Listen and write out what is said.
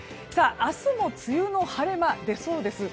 明日も梅雨の晴れ間が出そうです。